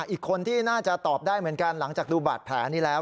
อีกคนที่น่าจะตอบได้เหมือนกันหลังจากดูบาดแผลนี้แล้ว